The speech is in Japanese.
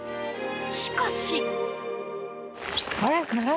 しかし。